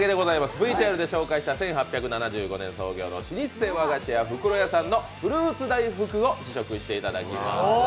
ＶＴＲで紹介した１８７５年創業の老舗和菓子店福呂屋さんのフルーツ大福を試食していただきます。